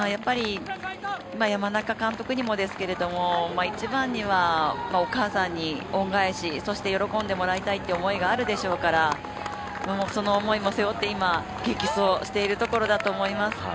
山中監督にも、一番にはお母さんに恩返し、そして喜んでもらいたいっていう思いもあるでしょうからその思いも背負って今、激走しているところだと思います。